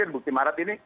ada bukti maret ini